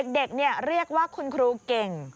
เรียกว่าคุณครูเก่ง